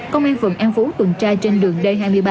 công an phường an phú tuần tra trên đường đây